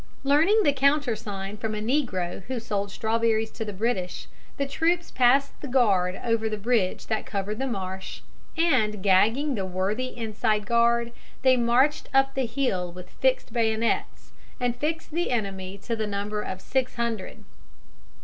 ] Learning the countersign from a negro who sold strawberries to the British, the troops passed the guard over the bridge that covered the marsh, and, gagging the worthy inside guard, they marched up the hill with fixed bayonets and fixed the enemy to the number of six hundred.